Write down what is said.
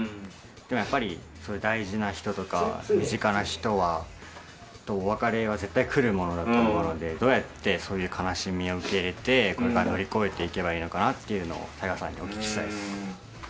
でもやっぱり大事な人とか身近な人とお別れは絶対来るものだと思うのでどうやってそういう悲しみを受け入れてこれから乗り越えていけばいいのかなというのをＴＡＩＧＡさんにお聞きしたいです。